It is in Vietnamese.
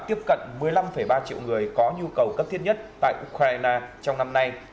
tiếp cận một mươi năm ba triệu người có nhu cầu cấp thiết nhất tại ukraine trong năm nay